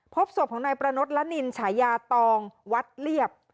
พบศพของนายประนดละนินฉายาตองวัดเรียบ